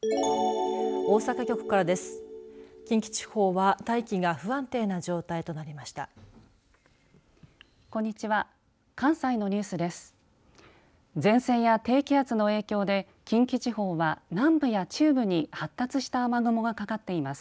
大阪局からです。